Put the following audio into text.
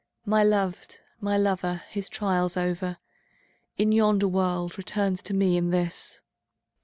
My loved, my lover. ACT r, 257 His trials over In yonder world, returns to me in this!